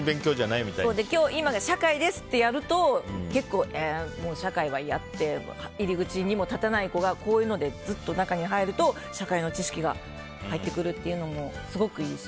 社会ですみたいにやると結構、えー社会は嫌って入り口にも立てない子がこういうので、すっと中に入ると社会の知識が入ってくるというのもすごくいいし。